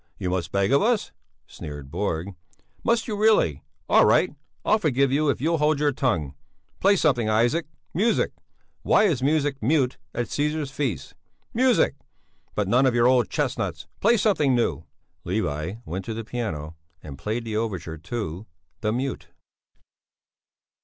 "You must beg of us?" sneered Borg. "Must you really? All right! I'll forgive you if you'll hold your tongue. Play something, Isaac! Music! Why is music mute at Cæsar's feast? Music! But none of your old chestnuts! Play something new!" Levi went to the piano, and played the overture to "The Mute."